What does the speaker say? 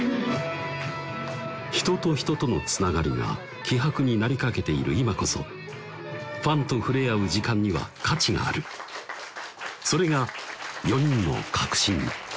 人と人とのつながりが希薄になりかけている今こそファンと触れ合う時間には価値があるそれが４人の確信